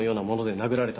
殴られた？